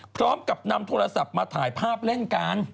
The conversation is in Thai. พร้อมกับนำโทรศัพท์มาถ่ายภาพเล่นกัน